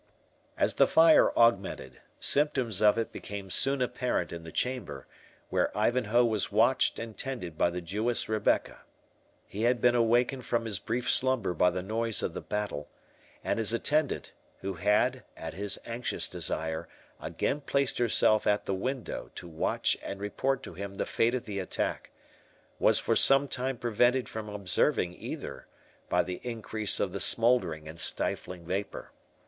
As the fire augmented, symptoms of it became soon apparent in the chamber, where Ivanhoe was watched and tended by the Jewess Rebecca. He had been awakened from his brief slumber by the noise of the battle; and his attendant, who had, at his anxious desire, again placed herself at the window to watch and report to him the fate of the attack, was for some time prevented from observing either, by the increase of the smouldering and stifling vapour.